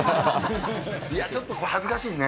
いやちょっとこれ、恥ずかしいね。